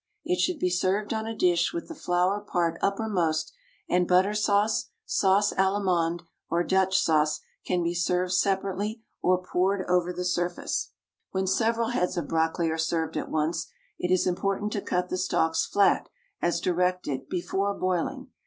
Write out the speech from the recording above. It should be served on a dish with the flower part uppermost; and butter sauce, sauce Allemande, or Dutch sauce can be served separately, or poured over the surface. When several heads of brocoli are served at once, it is important to cut the stalks flat, as directed, before boiling.